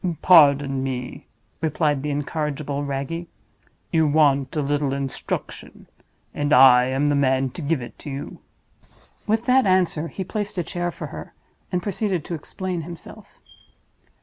"Pardon me," replied the incorrigible Wragge. "You want a little instruction; and I am the man to give it you." With that answer, he placed a chair for her, and proceeded to explain himself.